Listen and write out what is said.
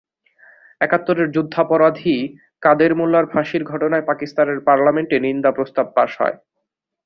একাত্তরের যুদ্ধাপরাধী কাদের মোল্লার ফাঁসির ঘটনায় পাকিস্তানের পার্লামেন্টে নিন্দা প্রস্তাব পাস হয়।